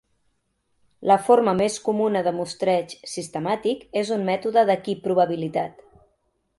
La forma més comuna de mostreig sistemàtic és un mètode d'equiprobabilitat.